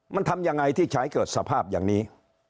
มันทำยังไงที่จะให้เกิดสภาพอย่างนี้